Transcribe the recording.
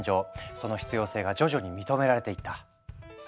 その必要性が徐々に認められていった。